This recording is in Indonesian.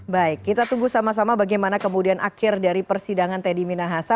baik kita tunggu sama sama bagaimana kemudian akhir dari persidangan teddy minahasa